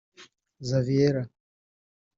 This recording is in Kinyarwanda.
Xaviera